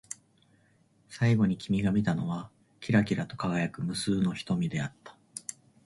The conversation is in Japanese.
最後に君が見たのは、きらきらと輝く無数の瞳であった。